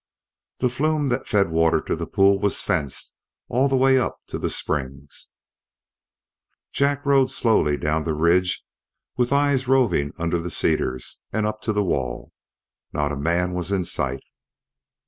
The flume that fed water to the pool was fenced all the way up to the springs. Jack slowly rode down the ridge with eyes roving under the cedars and up to the wall. Not a man was in sight.